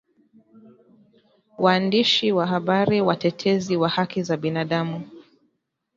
Waandishi wa habari watetezi wa haki za binadamu